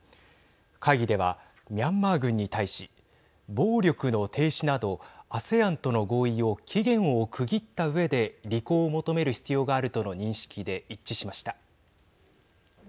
会議では、ミャンマー軍に対し暴力の停止などＡＳＥＡＮとの合意を期限を区切ったうえで履行を求める必要があるとの認識で一致しました。